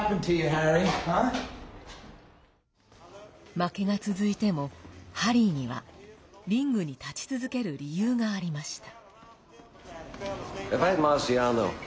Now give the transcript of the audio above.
負けが続いても、ハリーにはリングに立ち続ける理由がありました。